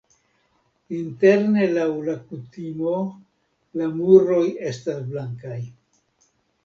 Interne laŭ la kutimo la muroj estas blankaj.